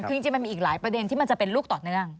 คือจริงมันมีอีกหลายประเด็นที่มันจะเป็นลูกต่อเนื่อง